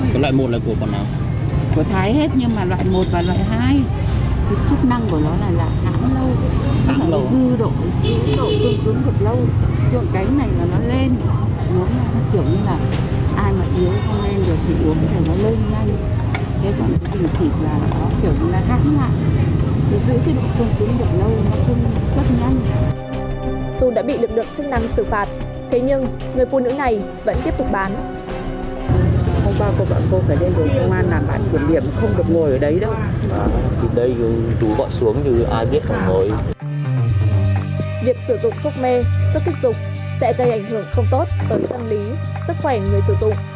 việc sử dụng thuốc mê thuốc kích dục sẽ gây ảnh hưởng không tốt tới tâm lý sức khỏe người sử dụng